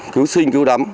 cứu sinh cứu đắm